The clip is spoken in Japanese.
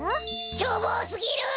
きょうぼうすぎる！